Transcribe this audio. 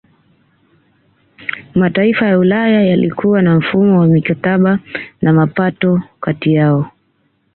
Mataifa ya Ulaya yalikuwa na mfumo wa mikataba na mapatano kati yao